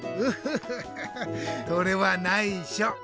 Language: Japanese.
それはないしょ。